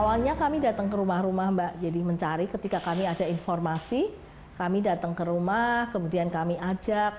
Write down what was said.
awalnya kami datang ke rumah rumah mbak jadi mencari ketika kami ada informasi kami datang ke rumah kemudian kami ajak